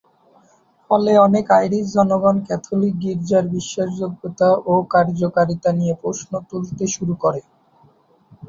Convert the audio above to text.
ফলে অনেক আইরিশ জনগণ ক্যাথলিক গির্জার বিশ্বাসযোগ্যতা ও কার্যকারিতা নিয়ে প্রশ্ন তুলতে শুরু করে।